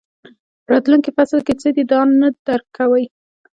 په راتلونکي فصل کې څه دي دا نه درک کوئ.